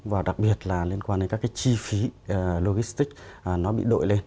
và đặc biệt là liên quan đến các cái chi phí logistics nó bị đội lên